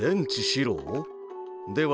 では